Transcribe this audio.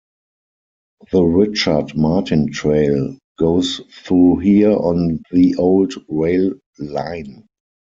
The Richard Martin Trail goes through here on the old rail line.